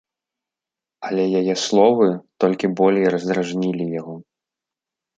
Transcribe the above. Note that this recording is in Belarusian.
Але яе словы толькі болей раздражнілі яго.